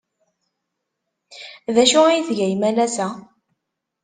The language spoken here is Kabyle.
D acu ay tga imalas-a?